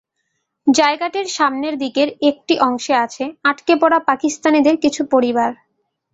জায়গাটির সামনের দিকের একটি অংশে আছে আটকে পড়া পাকিস্তানিদের কিছু পরিবার।